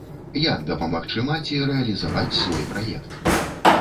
Як дапамагчы маці рэалізаваць свой праект?